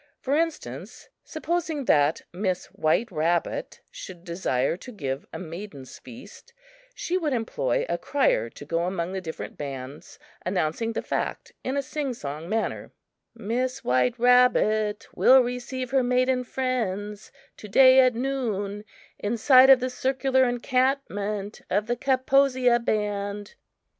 For instance, supposing that (Miss) White Rabbit should desire to give a "maidens' feast," she would employ a crier to go among the different bands announcing the fact in a sing song manner: "Miss White Rabbit will receive her maiden friends to day at noon, inside of the circular encampment of the Kaposia band."